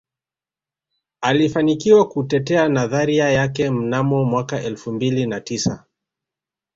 Alifanikiwa kutetea nadharia yake mnamo mwaka elfu mbili na tisa